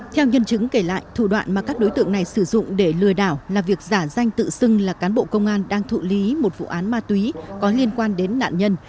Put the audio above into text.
theo nhân chứng kể lại thủ đoạn mà các đối tượng này sử dụng để lừa đảo là việc giả danh tự xưng là cán bộ công an đang thụ lý một vụ án ma túy có liên quan đến nạn nhân